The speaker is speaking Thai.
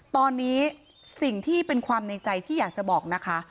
ตอนนี้สิ่งที่เป็นความในใจที่อยากจะบอกนะคะ